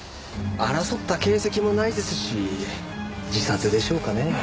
争った形跡もないですし自殺でしょうかね。